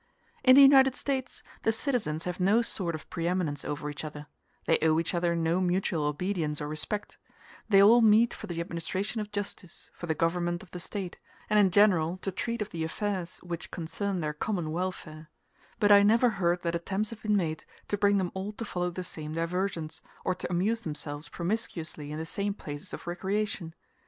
In the United States the citizens have no sort of pre eminence over each other; they owe each other no mutual obedience or respect; they all meet for the administration of justice, for the government of the State, and in general to treat of the affairs which concern their common welfare; but I never heard that attempts have been made to bring them all to follow the same diversions, or to amuse themselves promiscuously in the same places of recreation.